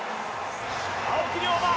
青木涼真。